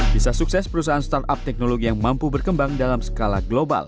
bisa sukses perusahaan startup teknologi yang mampu berkembang dalam skala global